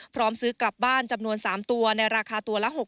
พร้อมซื้อกลับบ้านจำนวน๓ตัวในราคาตัวละ๖๐๐๐บาท